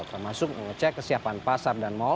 termasuk mengecek kesiapan pasar